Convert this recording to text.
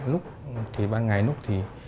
lúc thì ban ngày lúc